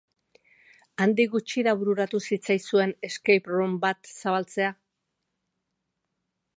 Handik gutxira bururatu zitzaizuen escape room bat zabaltzea?